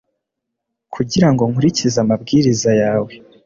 kugira ngo nkurikize amabwiriza yawe